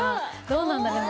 どうなんだろう？